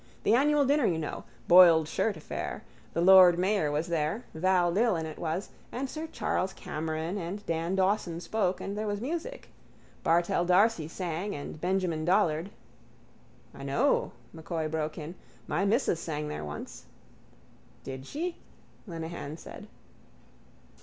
The annual dinner, you know. Boiled shirt affair. The lord mayor was there, Val Dillon it was, and sir Charles Cameron and Dan Dawson spoke and there was music. Bartell d'Arcy sang and Benjamin Dollard... —I know, M'Coy broke in. My missus sang there once. —Did she? Lenehan said.